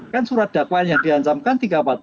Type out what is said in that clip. kan surat dakwaan yang diancamkan tiga ratus empat puluh